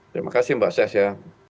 terima kasih mbak sas ya